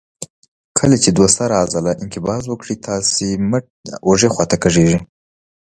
کله چې دوه سره عضله انقباض وکړي تاسې مټ د اوږې خواته کږېږي.